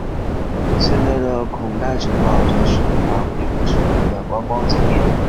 现在的孔代城堡则是法国的一个知名的观光景点。